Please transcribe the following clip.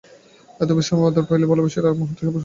এত অবিশ্রাম আদর পাইল যে, ভালোবাসিবার আর মুহূর্ত অবসর রহিল না।